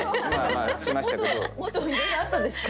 もっといろいろあったんですか？